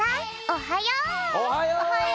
おはよう！